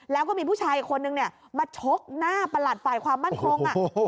แล้วก็มีผู้ชายอีกคนนึงมาชกหน้าประหลัดฝ่ายความมั่นคง